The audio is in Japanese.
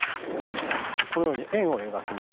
このように円を描きます。